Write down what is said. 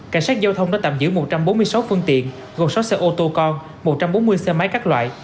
cảnh sát giao thông đã tạm giữ một trăm bốn mươi sáu phương tiện gồm sáu xe ô tô con một trăm bốn mươi xe máy các loại